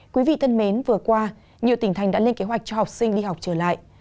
quý vị thân mến vừa qua nhiều tỉnh thành đã lên kế hoạch cho học sinh đi học trở lại